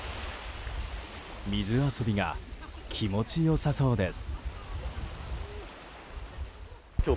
水遊びが気持ち良さそうです。